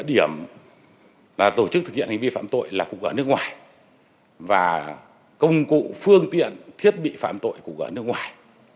điểm là tổ chức thực hiện hành vi phạm tội là cục ở nước ngoài và công cụ phương tiện thiết bị phạm tội của nước ngoài